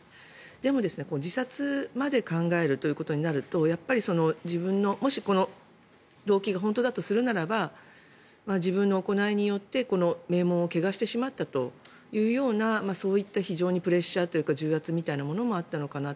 でも自殺まで考えるということになるともしこの動機が本当だとするならば自分の行いによって名門を汚してしまったというようなそういった非常にプレッシャーというか重圧みたいなものもあったのかなと。